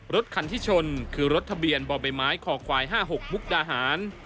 รถคันที่ชนคือรถทะเบียนบ่อใบไม้คอควาย๕๖มุกดาหาร